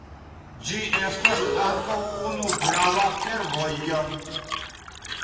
Ĝi estas ankaŭ unu grava fervojo.